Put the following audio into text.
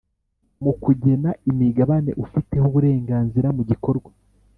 Mu kugena imigabane ufiteho uburenganzira mu gikorwa